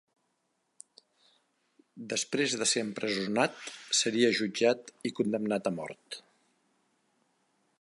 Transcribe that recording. Després de ser empresonat, seria jutjat i condemnat a mort.